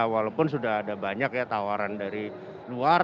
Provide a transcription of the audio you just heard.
walaupun sudah ada banyak ya tawaran dari luar